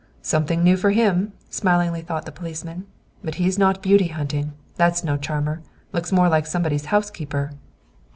"Something new for him," smilingly thought the policeman. "But he's not beauty hunting; that's no charmer. Looks more like somebody's housekeeper."